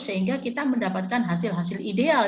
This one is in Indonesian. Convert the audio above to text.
sehingga kita mendapatkan hasil hasil ideal